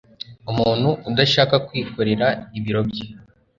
umuntu udashaka kwikorera ibiro bye